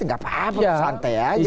nggak apa apa santai aja